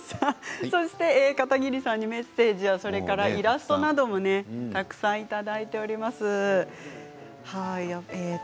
片桐さんにメッセージやイラストなどもたくさんいただいております。